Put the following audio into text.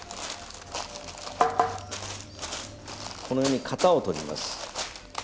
このように型を取ります。